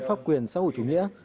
pháp quyền xã hội chủ nghĩa